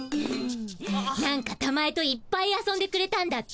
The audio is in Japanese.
なんかたまえといっぱい遊んでくれたんだって？